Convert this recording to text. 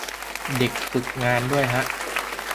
เด็กฝึกงานด้วยฮะ